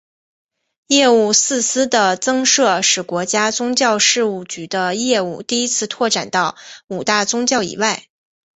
业务四司的增设使国家宗教事务局的业务第一次拓展到五大宗教以外。